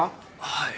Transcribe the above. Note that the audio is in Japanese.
はい。